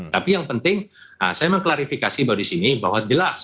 tapi yang penting saya mengklarifikasi bahwa disini bahwa jelas